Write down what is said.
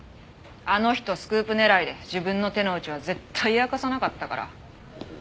あの人スクープ狙いで自分の手の内は絶対明かさなかったから。